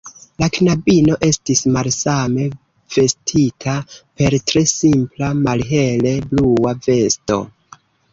La knabino estis malsame vestita, per tre simpla, malhele blua vesto.